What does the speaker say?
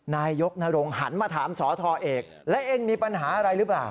นายยกนรงหันมาถามสทเอกและเองมีปัญหาอะไรหรือเปล่า